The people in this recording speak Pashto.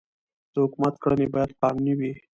د حکومت کړنې باید قانوني وي